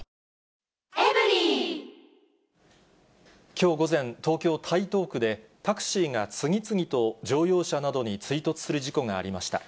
きょう午前、東京・台東区で、タクシーが次々と乗用車などに追突する事故がありました。